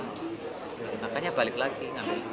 makanya balik lagi